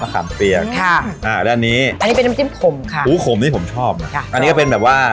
แล้วอันนี้อันนี้เป็นน้ำจิ้มขมค่ะอู้ขมที่ผมชอบอันนี้ก็เป็นแบบว่า